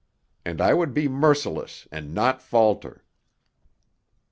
And I would be merciless and not falter.